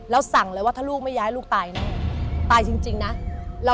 แล้วสั่งเลยว่าถ้าลูกไม่ย้ายลูกตายเนี่ยตายจริงนะ